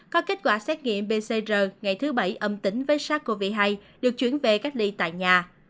có kết quả xét nghiệm pcr ngày thứ bảy âm tính với sars cov hai được chuyển về cách ly tại nhà